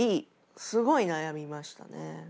すごい悩みましたね。